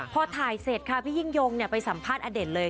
พอถ่ายเสร็จค่ะพี่ยิ่งยงไปสัมภาษณ์อเด่นเลย